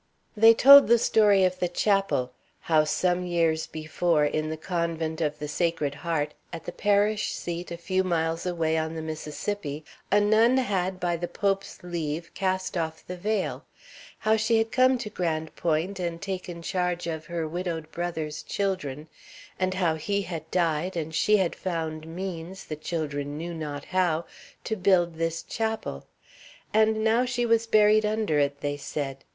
They told the story of the chapel: how some years before, in the Convent of the Sacred Heart, at the parish seat a few miles away on the Mississippi, a nun had by the Pope's leave cast off the veil; how she had come to Grande Pointe and taken charge of her widowed brother's children; and how he had died, and she had found means, the children knew not how, to build this chapel. And now she was buried under it, they said.